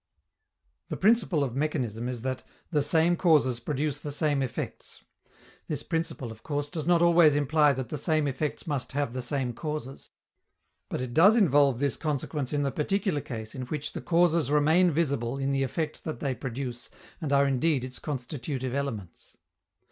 The principle of mechanism is that "the same causes produce the same effects." This principle, of course, does not always imply that the same effects must have the same causes; but it does involve this consequence in the particular case in which the causes remain visible in the effect that they produce and are indeed its constitutive elements.